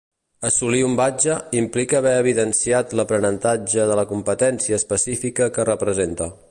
Assolir un badge implica haver evidenciat l’aprenentatge de la competència específica que representa.